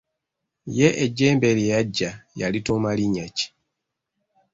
Ye ejjembe lye yagya yalituuma linnya ki?